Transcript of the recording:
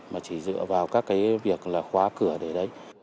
mà chỉ dựa vào các cái việc là khóa cửa để đấy